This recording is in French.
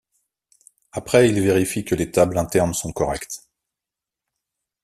Après, il vérifie que les tables internes sont correctes.